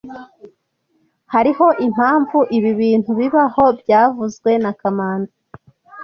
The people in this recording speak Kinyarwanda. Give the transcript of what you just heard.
Hariho impamvu ibi bintu bibaho byavuzwe na kamanzi